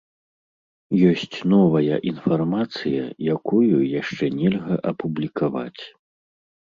Ёсць новая інфармацыя, якую яшчэ нельга апублікаваць.